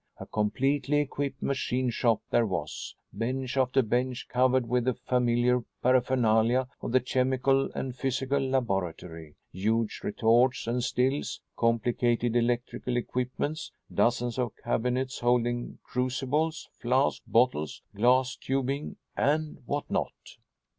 A completely equipped machine shop there was; bench after bench covered with the familiar paraphernalia of the chemical and physical laboratory; huge retorts and stills; complicated electrical equipments; dozens of cabinets holding crucibles, flasks, bottles, glass tubing, and what not.